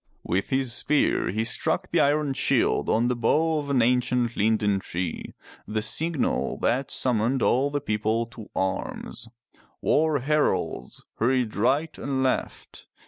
With his spear he struck the iron shield on the bough of an ancient linden tree, the signal that summoned all the people to arms. War heralds hurried right and left.